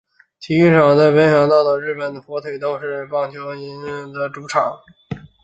体育场是北海道日本火腿斗士棒球队及札幌冈萨多足球队的主场。